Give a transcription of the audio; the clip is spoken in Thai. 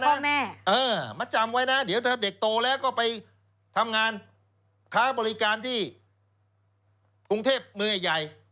มัดจำไว้นะเดี๋ยวถ้าเด็กโตแล้วก็ไปทำงานค้าบริการที่กรุงเทพเมืองใหญ่